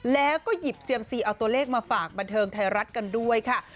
แล้วก็หยิบเซียมซีเอาตัวเลขมาฝากบันเทิงไทยรัฐกันด้วยค่ะ